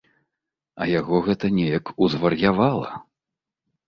А яго гэта неяк узвар'явала.